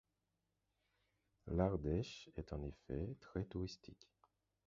L'Ardèche est en effet très touristique.